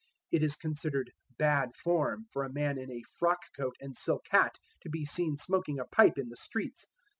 It is considered 'bad form' for a man in a frock coat and silk hat to be seen smoking a pipe in the streets.